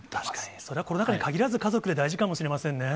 それはコロナ禍に限らず、家族で大切かもしれませんね。